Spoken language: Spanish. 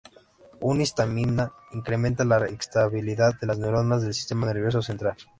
La histamina incrementa la excitabilidad de las neuronas del sistema nervioso central.